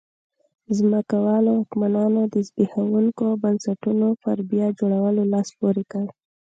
ځمکوالو واکمنانو د زبېښونکو بنسټونو پر بیا جوړولو لاس پورې کړ.